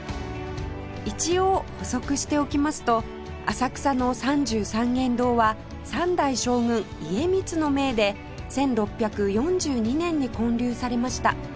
一応補足しておきますと浅草の三十三間堂は３代将軍家光の命で１６４２年に建立されました